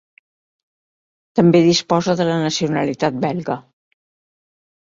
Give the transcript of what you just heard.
També disposa de la nacionalitat belga.